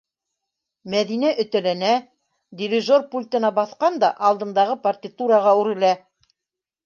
- Мәҙинә өтәләнә, дирижер пультына баҫҡан да алдындағы партитураға үрелә.